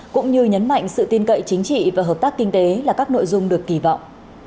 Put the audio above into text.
cũng như nhấn mạnh sự tin cậy chính trị và hợp tác kinh tế là các nội dung được kỳ vọng